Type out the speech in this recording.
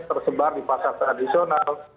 tersebar di pasar tradisional